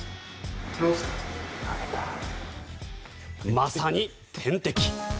まさに天敵。